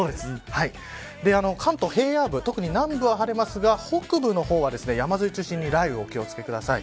関東平野部、特に南部は晴れますが北部の方は山沿いを中心に雷雨お気を付けください。